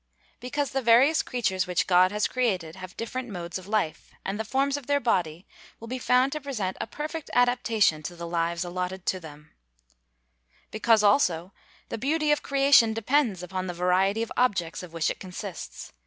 _ Because the various creatures which God has created have different modes of life, and the forms of their bodies will be found to present a perfect adaptation to the lives allotted to them. Because, also, the beauty of creation depends upon the variety of objects of which it consists.